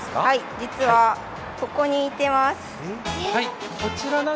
実は、ここにいてます。